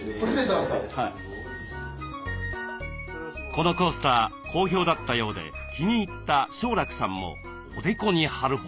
このコースター好評だったようで気に入った正楽さんもおでこに貼るほど。